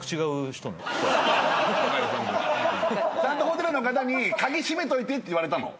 ホテルの方に鍵しめといてって言われたの。